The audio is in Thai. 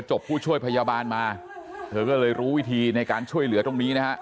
ผู้ช่วยพยาบาลมาเธอก็เลยรู้วิธีในการช่วยเหลือตรงนี้นะฮะ